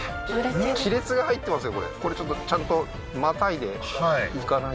亀裂が入ってますよ